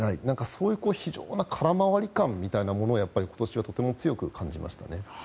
そういう空回り感みたいなものをやっぱり今年はとても強く感じましたね。